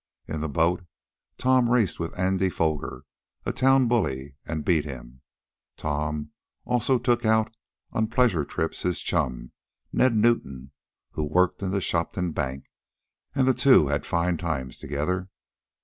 In the boat Tom raced with Andy Foger, a town bully, and beat him. Tom also took out on pleasure trips his chum, Ned Newton, who worked in a Shopton bank, and the two had fine times together.